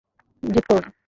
জিদ কোরো না।